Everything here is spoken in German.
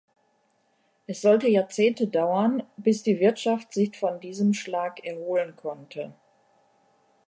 Es sollte Jahrzehnte dauern, bis die Wirtschaft sich von diesem Schlag erholen konnte.